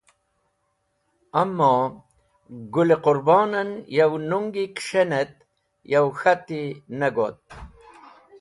Amo, Gũl-e Qũrbon en yow nungi kes̃hen et yow k̃hati ne goti.